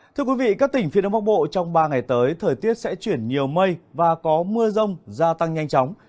thưa quý vị các tỉnh phía đông bắc bộ trong ba ngày tới thời tiết sẽ chuyển nhiều mây và có mưa rông gia tăng nhanh chóng